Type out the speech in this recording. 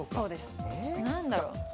何だろう？